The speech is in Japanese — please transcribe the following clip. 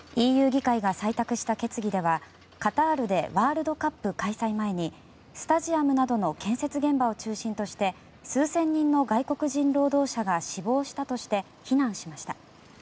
ＥＵ議会が採択した決議ではカタールでワールドカップ開催前にスタジアムなどの建設現場を中心として数千人の外国人労働者が死亡したとして非難しました。